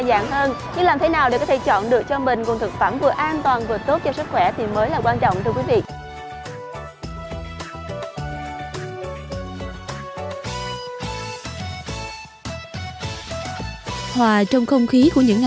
bà ơi làm thế nào để chọn được là rau này là rau sạch và rau này là rau không bị sâu à